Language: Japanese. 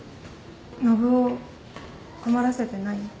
信男困らせてない？